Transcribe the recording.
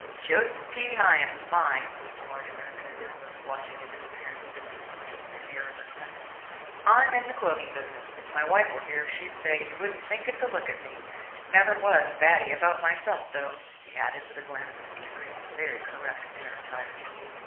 "Joseph P. Hyam's mine," the large American announced, watching the disappearance of his soup plate with an air of regret. "I'm in the clothing business. If my wife were here, she'd say you wouldn't think it to look at me. Never was faddy about myself, though," he added, with a glance at Mr. Greene's very correct dinner attire.